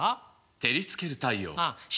照りつける太陽。